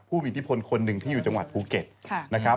ผู้มีอิทธิพลคนหนึ่งที่อยู่จังหวัดภูเก็ตนะครับ